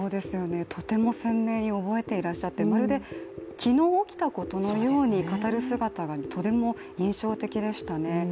とても鮮明に覚えていらっしゃってまるで昨日起きたことのように語る姿がとても印象的でしたね。